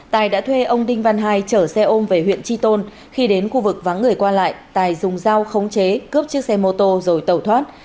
tài đã thuê ông đinh văn hai chở xe ôm về huyện chi tôn khi đến khu vực vắng người qua lại tài dùng dao khống chế cướp chiếc xe mô tô rồi tẩu thoát